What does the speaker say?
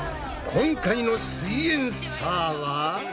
今回の「すイエんサー」は？